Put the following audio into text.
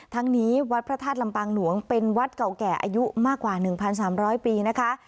ทั้งนี้วัดพระธาตุลำปางหลวงเป็นวัดเก่าแก่อายุมากกว่า๑๓๐๐ปีนะคะ